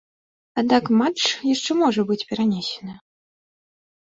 Аднак матч яшчэ можа быць перанесены.